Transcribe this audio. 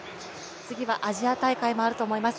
次はアジア大会もあると思います。